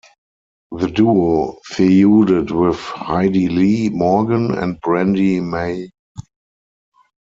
The duo feuded with Heidi Lee Morgan and Brandi Mae.